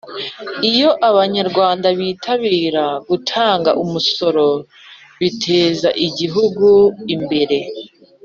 iyo abanyarwanda bitabira gutanga umusora biteza igihugu imbere